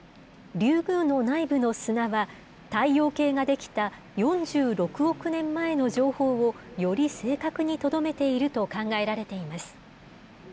リュウグウの内部の砂は、太陽系が出来た４６億年前の情報を、より正確にとどめていると考えられています。